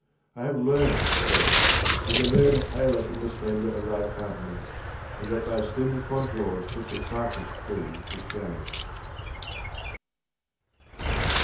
I have learned, at length, that the Moon paleth in the Splendour of thy Countenance, and that thy slim Contours put the Cypress Tree to Shame.